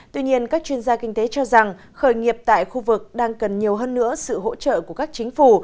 tuy nhiên các chuyên gia kinh tế cho rằng khởi nghiệp tại khu vực đang cần nhiều hơn nữa sự hỗ trợ của các chính phủ